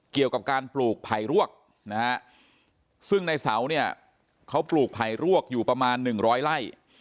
เกี่ยวกับการปลูกไผ่รวกนะฮะซึ่งในเสาเนี่ยเขาปลูกไผ่รวกอยู่ประมาณ๑๐๐ไร่